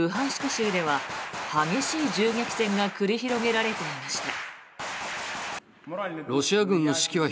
州では激しい銃撃戦が繰り広げられていました。